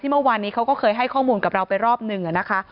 เมื่อวานนี้เขาก็เคยให้ข้อมูลกับเราไปรอบหนึ่งนะคะ